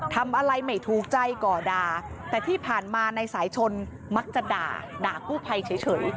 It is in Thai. ทำอะไรไม่ถูกใจก่อด่าแต่ที่ผ่านมานายสายชนมักจะด่าด่ากู้ภัยเฉย